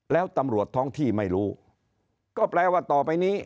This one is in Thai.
แล้วตำรวจท้องที่ไม่รู้ก็แปลว่าต่อไปนี้